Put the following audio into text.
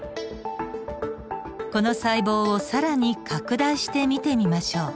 この細胞を更に拡大して見てみましょう。